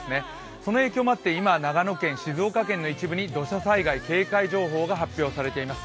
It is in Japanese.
その影響もあって、今、長野県、静岡県の一部に土砂災害警戒情報が発表されています。